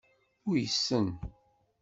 Uysen.